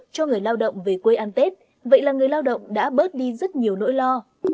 cho người lao động về quê ăn tết vậy là người lao động đã bớt đi rất nhiều nỗi lo